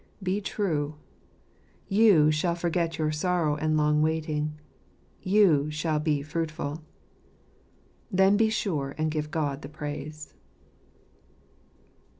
Be true! you shall forget your sorrow and long waiting; you shall be fruitful. Then be sure and give God the praise.